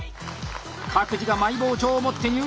各自がマイ包丁を持って入場！